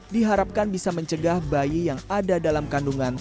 diharapkan bisa mencegah bayi yang ada dalam kandungan